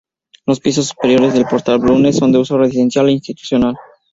Los pisos superiores del Portal Bulnes son de uso residencial e institucional.